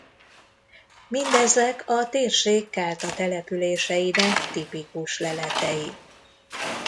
Mindezek a térség kelta településeinek tipikus leletei.